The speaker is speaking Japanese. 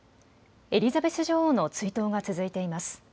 エリザベス女王の追悼が続いています。